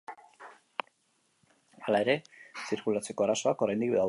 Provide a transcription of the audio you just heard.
Hala ere, zirkulatzeko arazoak oraindik daude.